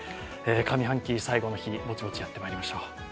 上半期最後の日、ぼちぼちやってまいりましょう。